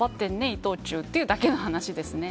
伊藤忠というだけな話ですね。